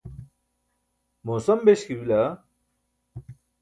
moosam beśki bila?